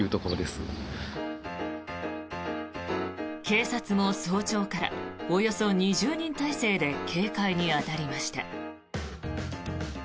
警察も早朝からおよそ２０人態勢で警戒に当たりました。